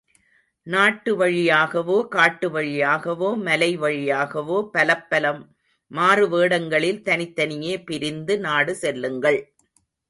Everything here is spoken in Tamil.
நாட்டு வழியாகவோ, காட்டுவழியாகவோ, மலை வழியாகவோ பலப்பல மாறு வேடங்களில் தனித்தனியே பிரிந்து நாடு செல்லுங்கள்.